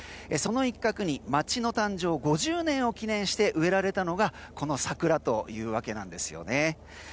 その一角に町の誕生５０年を記念して植えられたのがこの桜というわけなんですよね。